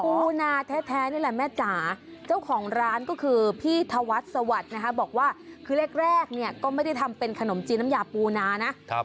ปูนาแท้นี่แหละแม่จ๋าเจ้าของร้านก็คือพี่ธวัฒน์สวัสดิ์นะคะบอกว่าคือแรกเนี่ยก็ไม่ได้ทำเป็นขนมจีนน้ำยาปูนานะ